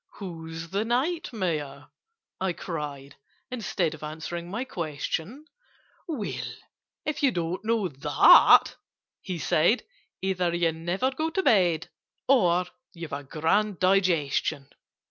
"Who's the Knight Mayor?" I cried. Instead Of answering my question, "Well, if you don't know that," he said, "Either you never go to bed, Or you've a grand digestion!